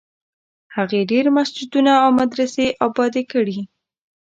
هغې ډېر مسجدونه او مدرسې ابادي کړې.